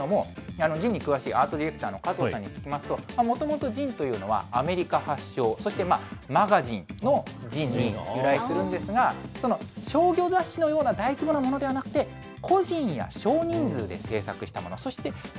というのも、ＺＩＮＥに詳しいアートディレクターの加藤さんに聞きますと、もともとＺＩＮＥというのはアメリカ発祥、そして、ＭＡＧＡＺＩＮＥのＺＩＮＥに由来しているんですが、その商業雑誌のような大規模なものではなくて、個人や少人数で制作したもの。